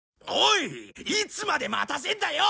いつまで待たせるんだよ！